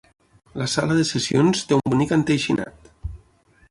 La sala de sessions té un bonic enteixinat.